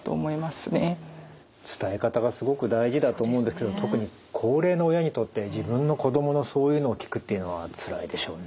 伝え方がすごく大事だと思うんですけど特に高齢の親にとって自分の子供のそういうのを聞くっていうのはつらいでしょうね。